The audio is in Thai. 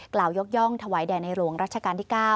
กล่าวยกย่องถวายแด่ในหลวงรัชกาลที่๙